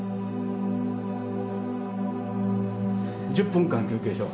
１０分間休憩しよ。